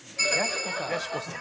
やしこさん。